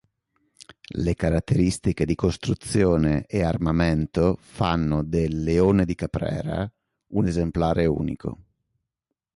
Le caratteristiche di costruzione e armamento fanno del "Leone di Caprera" un esemplare unico.